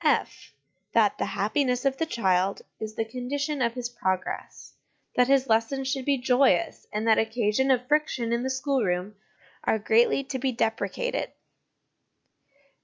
(/) That the happiness of the child is the condition of his progress ; that his lessons should be joyous, and that occasions of friction in the schoolroom are greatly to be deprecated.